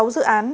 sáu dự án